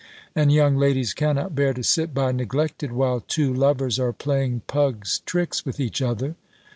And young ladies cannot bear to sit by neglected, while two lovers are playing pug's tricks with each other.